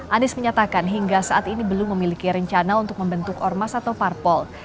anies menyatakan hingga saat ini belum memiliki rencana untuk membentuk ormas atau parpol